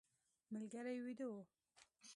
ملګري ویده و.